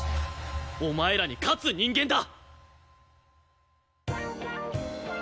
お前らに勝つ人間だ！